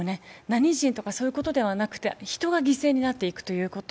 何人とかそういうことではなくて人が犠牲になっていくということ。